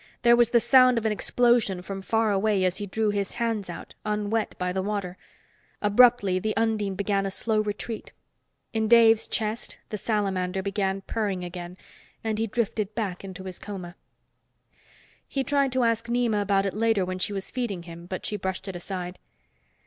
There was the sound of an explosion from far away as he drew his hands out, unwet by the water. Abruptly the undine began a slow retreat. In Dave's chest, the salamander began purring again, and he drifted back into his coma. He tried to ask Nema about it later when she was feeding him, but she brushed it aside.